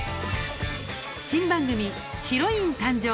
新番組「ヒロイン誕生」。